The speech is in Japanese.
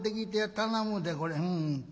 頼むでこれ。